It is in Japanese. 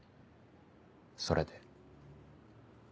それで。